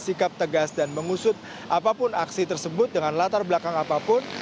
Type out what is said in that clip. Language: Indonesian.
sikap tegas dan mengusut apapun aksi tersebut dengan latar belakang apapun